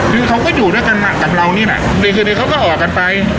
คือเขาก็อยู่ด้วยกันกับเรานี่แหละในคืนนี้เขาก็ออกกันไป